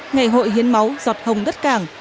ngày hội hiến máu giọt hồng đất cảng